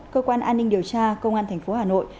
cơ quan an ninh điều tra công an thành phố hà nội